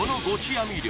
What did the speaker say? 網漁